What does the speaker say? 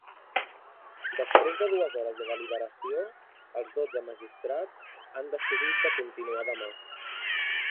Després de dues hores de deliberació, els dotze magistrats han decidit de continuar demà.